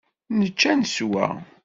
Nečča neswa.